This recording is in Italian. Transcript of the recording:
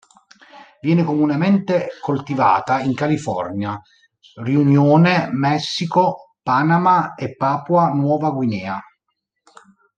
Viene comunemente coltivata in California, Riunione, Messico, Panama e Papua Nuova Guinea.